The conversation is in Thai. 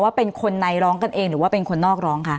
เป็นคนในร้องกันเองหรือว่าเป็นคนนอกร้องคะ